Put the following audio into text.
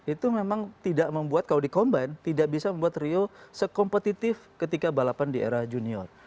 itu memang tidak membuat kalau di combine tidak bisa membuat rio sekompetitif ketika balapan di era junior